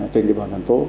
trên địa bàn thành phố